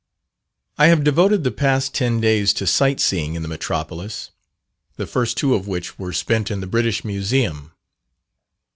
I have devoted the past ten days to sight seeing in the Metropolis the first two of which were spent in the British Museum.